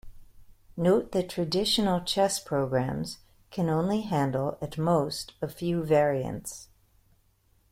Note that traditional chess programs can only handle, at most, a few variants.